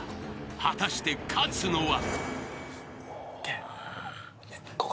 果たして勝つのは］